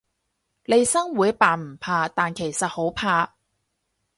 利申會扮唔怕，但其實好怕